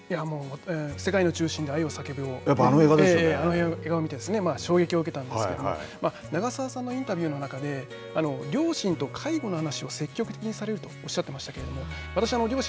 世界の中心で愛をさけぶをあの映画を見て衝撃を受けたんですけれど長澤さんのインタビューの中で両親と介護の話を積極的されるとおっしゃってましたけれど私、両親